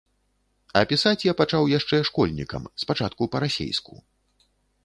А пісаць я пачаў яшчэ школьнікам, спачатку па-расейску.